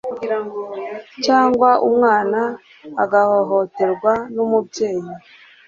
cyangwa umwana agahohoterwa n'umubyeyi